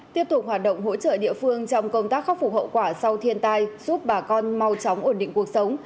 tiếp tục hoạt động hỗ trợ địa phương trong công tác khắc phục hậu quả sau thiên tai giúp bà con mau chóng ổn định cuộc sống